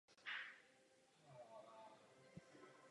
Je hlavní a známou silou v Alfa kvadrantu.